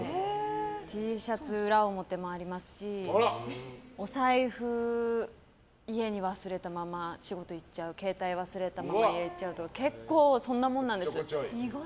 Ｔシャツ裏表もありますしお財布、家に忘れたまま仕事行っちゃう携帯忘れたまま家行っちゃうとか意外です。